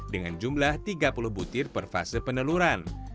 dengan jumlah tiga puluh butir per fase peneluran